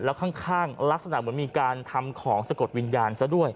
แล้วข้างลักษณะเหมือนมีการทำของสะกดวิญญาณซะด้วย